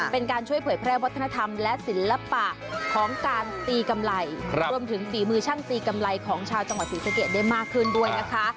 เป็นการช่วยเผยแพร่วัฒนธรรมและศิลปะของการตีกำไรรวมถึงฝีมือช่างตีกำไรของชาวจังหวัดศรีสะเกดได้มากขึ้นด้วยนะคะ